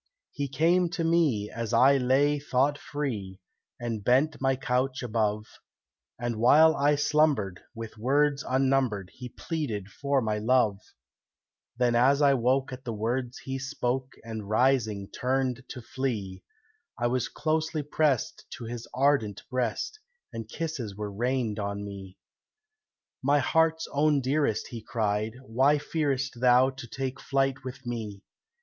He came to me, as I lay thought free, And bent my couch above, And while I slumbered, with words unnumbered, He pleaded for my love; Then as I woke at the words he spoke, And rising turned to flee, I was closely pressed to his ardent breast, And kisses were rained on me. "My heart's own dearest," he cried, "why fearest Thou to take flight with me?